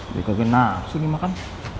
ya kagak nafsu nih makan